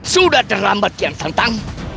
sudah terlambat kian santang